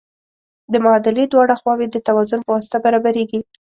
د معادلې دواړه خواوې د توازن په واسطه برابریږي.